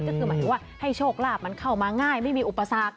ก็คือหมายถึงว่าให้โชคลาภมันเข้ามาง่ายไม่มีอุปสรรค